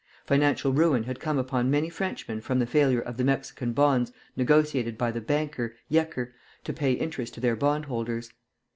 Financial ruin had come upon many Frenchmen from the failure of the Mexican bonds negotiated by the banker, Jecker, to pay interest to their bond holders.